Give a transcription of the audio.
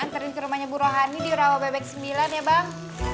anterin ke rumahnya bu rohani di rawabebek sembilan ya bang